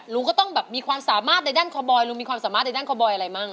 ลุงมีความสามารถในด้านคอบอยอะไรมั้ง